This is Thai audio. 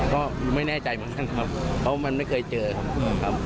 ก็ไม่แน่ใจเหมือนกันครับเพราะมันไม่เคยเจอครับ